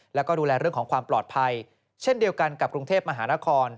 แล้วก็ดูแลเรื่องของความปลอดภัยเช่นเดียวกันกับกรุงเทพมหานคร